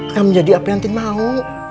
kamu jadi apa yang tin mau